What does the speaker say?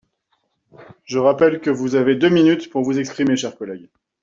Je rappelle que vous avez deux minutes pour vous exprimer, cher collègue.